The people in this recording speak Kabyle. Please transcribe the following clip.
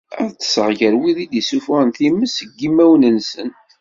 Ad ṭṭseɣ gar wid i d-issufuɣen times seg yimawen-nsen.